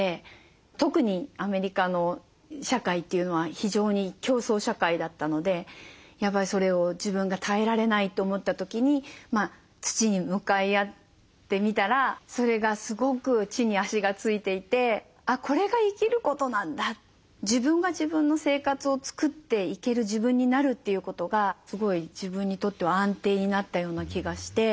特にアメリカの社会というのは非常に競争社会だったのでやっぱりそれを自分が耐えられないと思った時に土に向かい合ってみたらそれがすごく地に足がついていてあっこれが生きることなんだ自分が自分の生活を作っていける自分になるということがすごい自分にとっては安定になったような気がして。